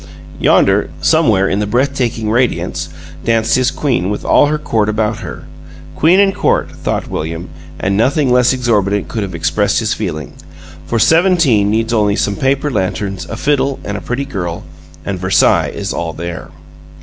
Yonder somewhere in the breath taking radiance danced his Queen with all her Court about her. Queen and Court, thought William, and nothing less exorbitant could have expressed his feeling. For seventeen needs only some paper lanterns, a fiddle, and a pretty girl and Versailles is all there!